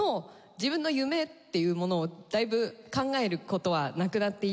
自分の夢っていうものをだいぶ考える事はなくなっていたんですが。